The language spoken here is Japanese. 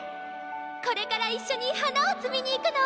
これから一緒に花を摘みに行くの！